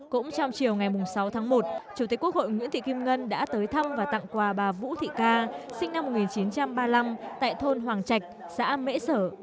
cũng trong chiều ngày sáu tháng một chủ tịch quốc hội nguyễn thị kim ngân đã tới thăm và tặng quà bà vũ thị ca sinh năm một nghìn chín trăm ba mươi năm tại thôn hoàng trạch xã mễ sở